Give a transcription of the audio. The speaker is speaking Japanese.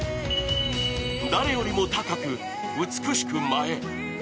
誰よりも高く、美しく舞え。